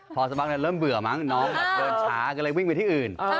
พอสมัครเริ่มเบื่อมั้งน้องเบิ่นช้าก็เลยวิ่งไปที่อื่น